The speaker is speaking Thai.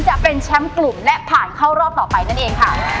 จะเป็นแชมป์กลุ่มและผ่านเข้ารอบต่อไปนั่นเองค่ะ